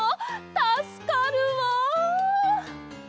たすかるわ！